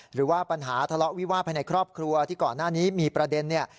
หรือว่าปัญหาทะเลาะวิวาสภายในครอบครัวที่ก่อนหน้านี้มีประเด็นเนี่ย